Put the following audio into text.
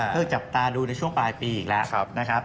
จับตาดูในช่วงปลายปีอีกแล้วนะครับ